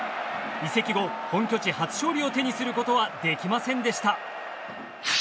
移籍後、本拠地初勝利を手にすることはできませんでした。